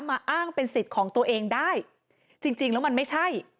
มาอ้างเป็นสิทธิ์ของตัวเองได้จริงจริงแล้วมันไม่ใช่